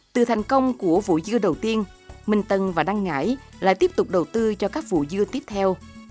từ thành công của vụ dưa đầu tiên minh tân và đăng ngãi lại tiếp tục đầu tư cho các vụ dưa tiếp theo